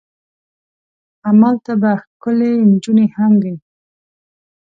همالته به ښکلې نجونې هم وي.